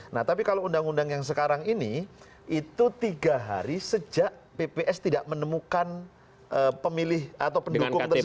nah tapi kalau undang undang yang sekarang ini itu tiga hari sejak pps tidak menemukan pemilih atau pendukung tersebut